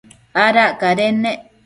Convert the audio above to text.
Adac cadennec